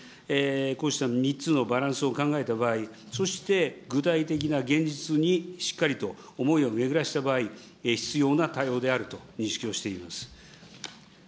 こうした３つのバランスを考えた場合、そして具体的な現実にしっかりと思いを巡らせた場合、必要な対応であると認識しております。